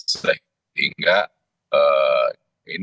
sehingga ini sangat berhasil